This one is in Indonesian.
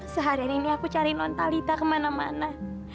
seharian ini aku cari nontalita kemana mana